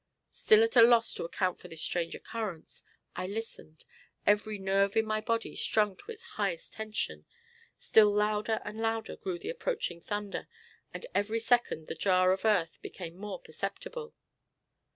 Still at a loss to account for this strange occurrence, I listened, every nerve in my body strung to its highest tension. Still louder and louder grew the approaching thunder, and every second the jar of the earth became more perceptible.